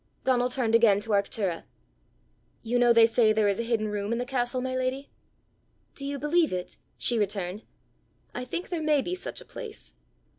Donal turned again to Arctura. "You know they say there is a hidden room in the castle, my lady?" "Do you believe it?" she returned. "I think there may be such a place."